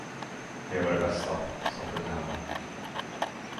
Det var det bästa, som kunde hända.